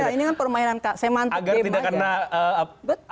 iya ini kan permainan semantik game saja